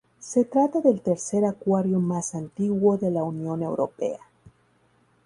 Se trata del tercer acuario más antiguo de la Unión Europea.